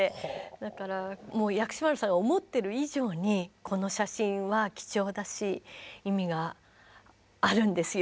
だからもう「薬師丸さんが思ってる以上にこの写真は貴重だし意味があるんですよ。